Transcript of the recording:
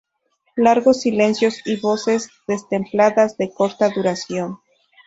Largos silencios y voces destempladas de corta duración.